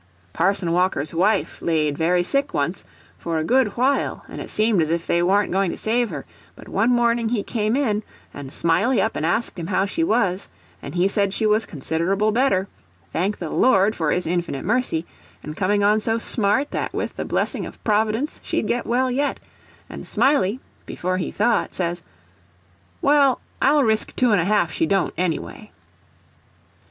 Parson Walker's wife laid very sick once, for a good while, and it seemed as if they warn't going to save her; but one morning he come in, and Smiley up and asked him how she was, and he said she was considerable better—thank the Lord for his inf'nit' mercy—and coming on so smart that with the blessing of Prov'dence she'd get well yet; and Smiley, before he thought, says, 'Well, I'll risk two and a half she don't anyway.